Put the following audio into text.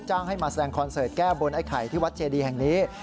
ให้มาแสดงคอนเสิร์ตแก้บนไอ้ไข่ที่วัดเจดีแห่งนี้